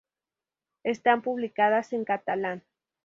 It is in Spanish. Están publicadas en catalán.